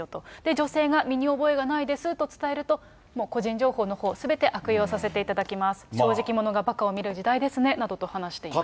女性が身に覚えがないですと伝えると、個人情報のほうすべて悪用させていただきます、正直者がばかを見る時代ですねなどと話していました。